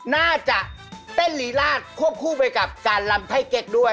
น่าจะเต้นลีลาดควบคู่ไปกับการลำไพ่เก๊กด้วย